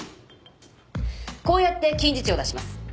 こうやって近似値を出します。